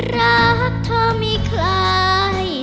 รักเธอมีใคร